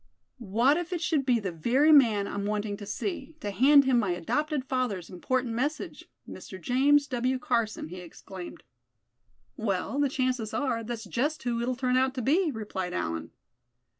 "What if it should be the very man I'm wanting to see, to hand him my adopted father's important message, Mr. James W. Carson?" he exclaimed. "Well, the chances are, that's just who it'll turn out to be," replied Allan.